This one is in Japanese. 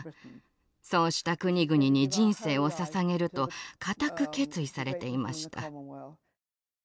そうした国々に人生をささげると固く決意されていました。